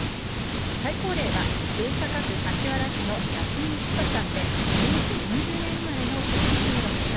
最高齢は大阪府柏原市の巽フサさんで明治４０年生まれの１１６歳。